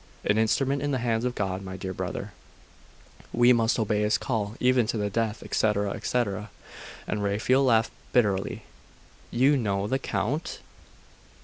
"An instrument in the hands of God, my dear brother.... We must obey His call, even to the death," etc. etc.' And Raphael laughed bitterly. 'You know the Count?